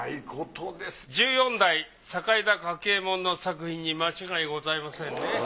１４代酒井田柿右衛門の作品に間違いございませんね。